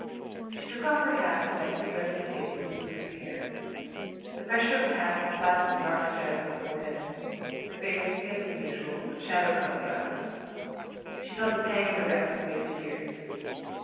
She took off her hat and went to the dressing table to smooth her hair. The pressure of the hat had flattened the dark strands on her forehead; her face was paler than usual, with shadows about the eyes. She felt a pang of regret for the wasted years.